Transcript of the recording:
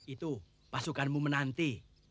itu pasukanmu menanti